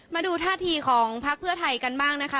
มาดูท่าทีของพักเพื่อไทยกันบ้างนะคะ